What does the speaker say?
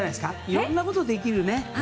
いろんなことができる。